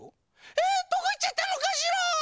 えどこいっちゃったのかしら？